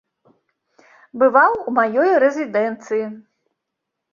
Бываў у маёй рэзідэнцыі.